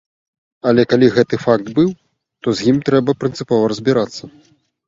Але калі гэты факт быў, то з ім трэба прынцыпова разбірацца.